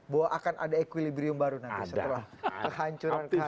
bahwa akan ada equilibrium baru nanti setelah kehancuran